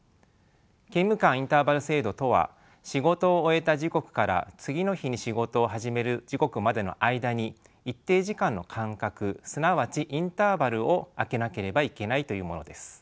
勤務間インターバル制度とは仕事を終えた時刻から次の日に仕事を始める時刻までの間に一定時間の間隔すなわちインターバルを空けなければいけないというものです。